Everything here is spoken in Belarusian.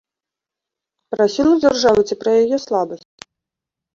Пра сілу дзяржавы ці пра яе слабасць?